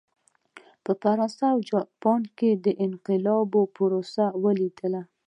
په فرانسه او جاپان کې د انقلابونو پروسه ولیده.